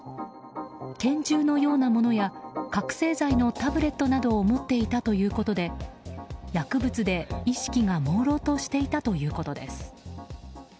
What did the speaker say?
拳銃のようなものや覚醒剤のタブレットなどを持っていたということで薬物で意識がもうろうとしていたということです。